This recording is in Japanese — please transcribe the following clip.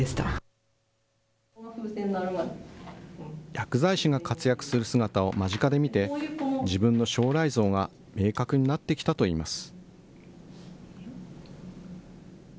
薬剤師が活躍する姿を間近で見て、自分の将来像が明確になってきたといいます。